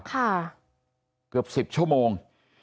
ค่ะเกือบสิบชั่วโมง